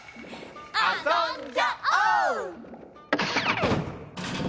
あそんじゃおう！